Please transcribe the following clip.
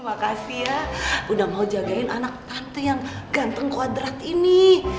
makasih ya udah mau jagain anak panti yang ganteng koadrat ini